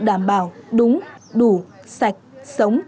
đảm bảo đúng đủ sạch sống